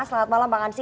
selamat malam bang ansyi